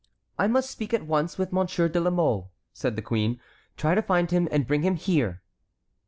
"I must speak at once with Monsieur de la Mole," said the queen. "Try to find him and bring him here."